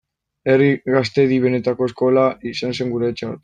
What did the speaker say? Herri Gaztedi benetako eskola izan zen guretzat.